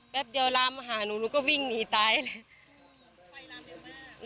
แป๊บเดียวลามมาหาหนูหนูก็วิ่งหนีตายเลย